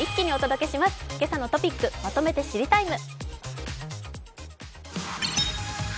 「けさのトピックまとめて知りＴＩＭＥ，」。